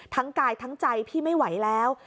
กายทั้งใจพี่ไม่ไหวแล้ว